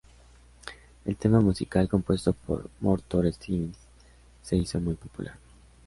El tema musical compuesto por Morton Stevens se hizo muy popular.